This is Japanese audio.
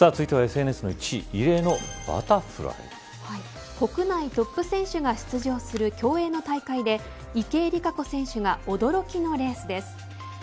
続いてはＳＮＳの１位国内トップ選手が出場する競泳の大会で池江璃花子選手が驚きのレースです。